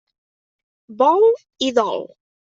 Vol i dol.